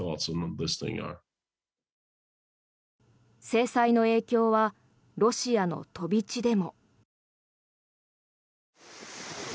制裁の影響はロシアの飛び地でも。